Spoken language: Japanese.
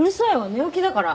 寝起きだから！